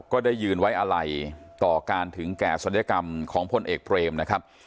ก็ได้ยืนไว้อะไรต่อการถึงแก่ศัลยกรรมของพลเอกเบรมนะครับ